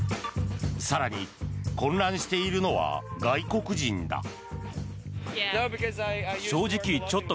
更に、混乱しているのは外国人だ。